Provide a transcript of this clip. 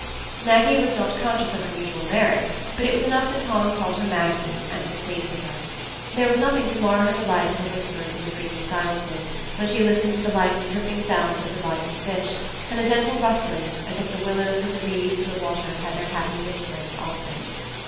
Maggie was not conscious of unusual merit, but it was enough that Tom called her Magsie, and was pleased with her. There was nothing to mar her delight in the whispers and the dreamy silences, when she listened to the light dripping sounds of the rising fish, and the gentle rustling, as if the willows and the reeds and the water had their happy whisperings also.